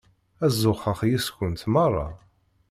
Ad zuxxeɣ yess-kent merra.